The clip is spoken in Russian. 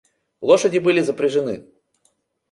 Лошади были запряжены.